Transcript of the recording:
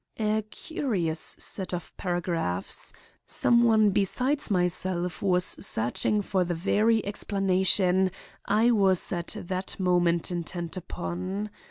A curious set of paragraphs. Some one besides myself was searching for the very explanation I was at that moment intent upon.